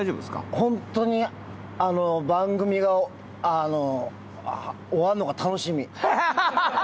本当に、番組が終わるのが楽しみ。